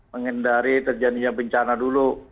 menghindari terjadinya bencana dulu